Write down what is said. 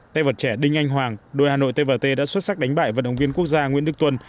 tay vợt trẻ đinh anh hoàng đội hà nội tp hcm đã xuất sắc đánh bại vận động viên quốc gia nguyễn đức tuân